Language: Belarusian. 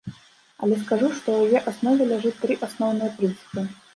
Але скажу, што ў яе аснове ляжаць тры асноўныя прынцыпы.